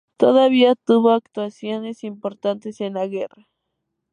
Todavía tuvo actuaciones importantes en la guerra.